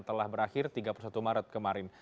telah berakhir tiga puluh satu maret kemarin